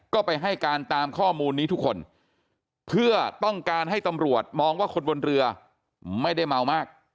ก็ไปให้การตามข้อมูลนี้ทุกคนเพื่อต้องการให้ตำรวจมองว่าคนบนเรือไม่ได้เมามาก